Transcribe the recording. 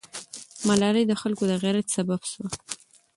ملالۍ د خلکو د غیرت سبب سوه.